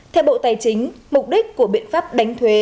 theo bộ tài chính mục đích của biện pháp đánh thuế